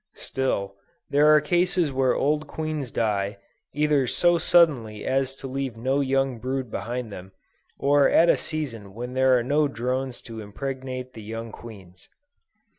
Still, there are cases where old queens die, either so suddenly as to leave no young brood behind them, or at a season when there are no drones to impregnate the young queens.